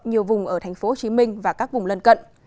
nhiều vùng ở tp hcm và các vùng lân cận